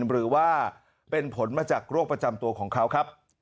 หรือว่าเป็นผลมาจากโรคประจำตัวของเขาครับ